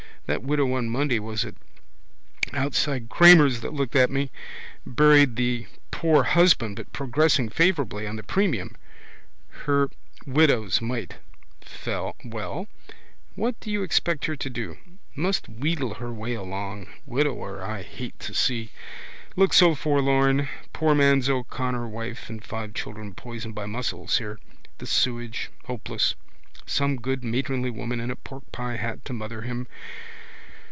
That widow on Monday was it outside Cramer's that looked at me. Buried the poor husband but progressing favourably on the premium. Her widow's mite. Well? What do you expect her to do? Must wheedle her way along. Widower I hate to see. Looks so forlorn. Poor man O'Connor wife and five children poisoned by mussels here. The sewage. Hopeless. Some good matronly woman in a porkpie hat to mother him.